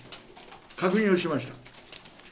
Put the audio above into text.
確認しました。